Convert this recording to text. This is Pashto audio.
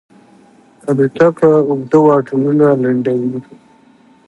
الوتکه اوږده واټنونه لنډوي.